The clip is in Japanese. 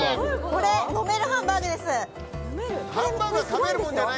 これ、飲めるハンバーグです。